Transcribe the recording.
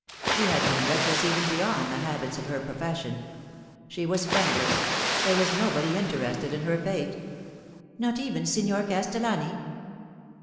She had been reckless even beyond the habits of her profession. She was friendless There was nobody interested in her fate M Not even Signer Castellani